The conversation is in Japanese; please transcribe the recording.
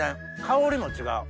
香りも違う。